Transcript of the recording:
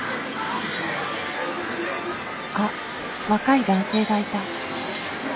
あっ若い男性がいた。